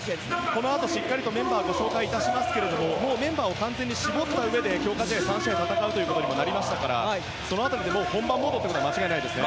このあとしっかりメンバーをご紹介しますがメンバーを完全に絞ったうえで強化試合を３試合戦うことになりましたからその辺りで本番モードということは間違いないですね。